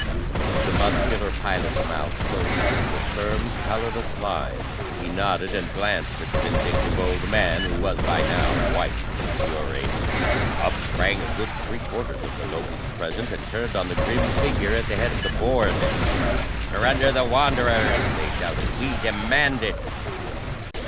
The muscular pilot's mouth closed into a firm, colorless line as he nodded and glanced at the vindictive old man who was by now white with fury. Up sprang a good three quarters of the nobles present and turned on the grim figure at the head of the board. "Surrender the Wanderers!" they shouted. "We demand it!"